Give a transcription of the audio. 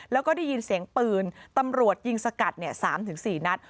แล้วก็ได้ยินเสียงปืนตำรวจยิงสกัด๓๔นัด